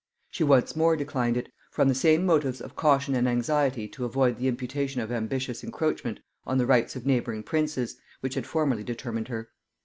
She once more declined it, from the same motives of caution and anxiety to avoid the imputation of ambitious encroachment on the rights of neighbouring princes, which had formerly determined her.